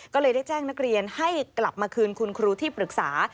ก็เลยได้แจ้งนักเรียนให้กลับมาคืนคุณครูที่ปรึกษา